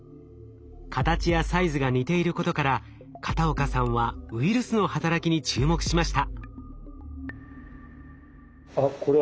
形やサイズが似ていることから片岡さんはウイルスの働きに注目しました。